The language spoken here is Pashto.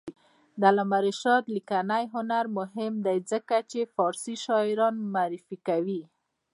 د علامه رشاد لیکنی هنر مهم دی ځکه چې فارسي شاعران معرفي کوي.